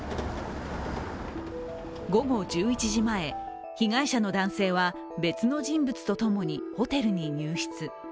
午後１１時前、被害者の男性は別の人物とともにホテルに入室。